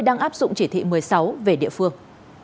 đang áp dụng chỉ thị một mươi sáu về địa phương